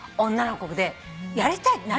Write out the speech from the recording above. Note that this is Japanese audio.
女の子もねやりたい